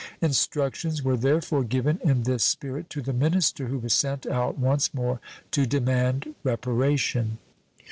Instructions were therefore given in this spirit to the minister who was sent out once more to demand reparation.